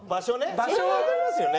場所はわかりますよね？